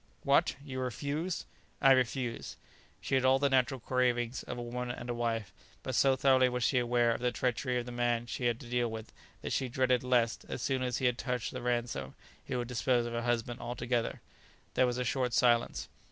what? you refuse?" "I refuse." She had all the natural cravings of a woman and a wife, but so thoroughly was she aware of the treachery of the man she had to deal with, that she dreaded lest, as soon as he had touched the ransom, he would dispose of her husband altogether. There was a short silence.